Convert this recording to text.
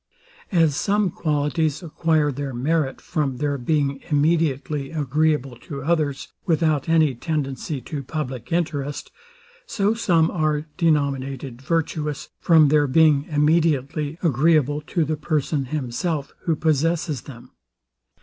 As some qualities acquire their merit from their being immediately agreeable to others, without any tendency to public interest; so some are denominated virtuous from their being immediately agreeable to the person himself, who possesses them.